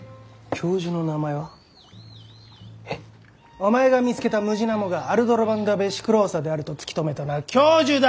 お前が見つけたムジナモがアルドロヴァンダ・ヴェシクローサであると突き止めたのは教授だ！